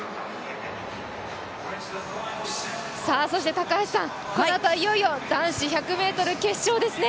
高橋さん、このあとはいよいよ男子１００ｍ決勝ですね。